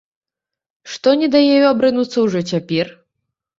Што не дае ёй абрынуцца ўжо цяпер?